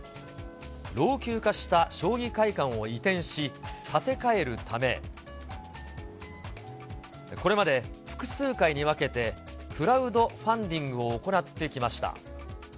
老朽化した将棋会館を移転し、建て替えるため、これまで複数回に分けて、クラウドファンディングを行ってきました。